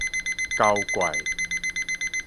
猴怪